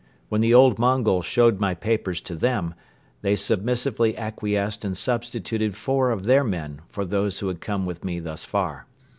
When the old Mongol showed my papers to them, they submissively acquiesced and substituted four of their men for those who had come with me thus far.